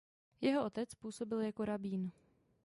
Jeho otec působil jako rabín.